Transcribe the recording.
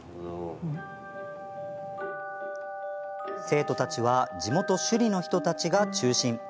生徒たちは地元、首里の人たちが中心。